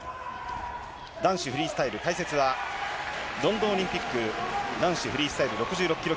男子フリースタイル、解説はロンドンオリンピック男子フリースタイル６６キロ